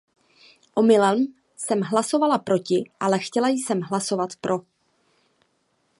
Omylem jsem hlasovala proti, ale chtěla jsem hlasovat pro.